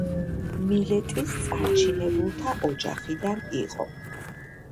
მილეტის წარჩინებულთა ოჯახიდან იყო.